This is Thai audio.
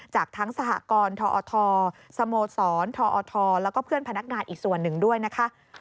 จากทั้งสหกรณ์ทอทสโมสรทอทแล้วก็เพื่อนพนักงานอีกส่วนหนึ่งด้วยนะคะ